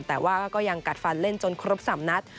แต่ว่าก็ยังกัดฟันเล่นจนครบ๓นัด